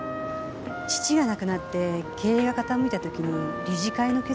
父が亡くなって経営が傾いた時に理事会の決議で。